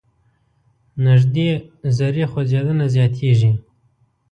نژدې ذرې خوځیدنه زیاتیږي.